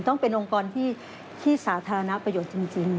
ต้องเป็นองค์กรที่สาธารณประโยชน์จริง